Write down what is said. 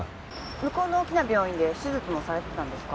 向こうの大きな病院で手術もされてたんですか？